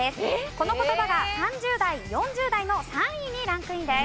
この言葉が３０代４０代の３位にランクインです。